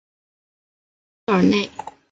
屈尔内。